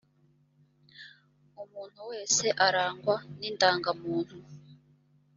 umuntu wese arangwa ni ndangamuntu